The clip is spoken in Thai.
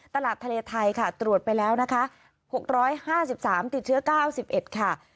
ตลาดทะเลไทยมาตรวจไปแล้วค่ะ๖๕๓รายติดเชื้อ๙๑วิทยาลัย